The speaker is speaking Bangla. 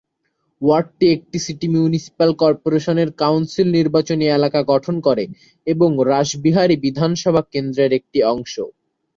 ওয়ার্ডটি একটি সিটি মিউনিসিপ্যাল কর্পোরেশন কাউন্সিল নির্বাচনী এলাকা গঠন করে এবং রাসবিহারী বিধানসভা কেন্দ্রর একটি অংশ।